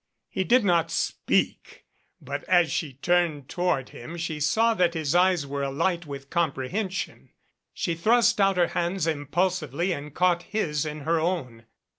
He did not speak, but as she turned toward him she saw that his eyes were alight with comprehension. She thrust out her hands impulsively and caught his in her own.